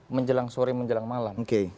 menjelang sore menjelang malam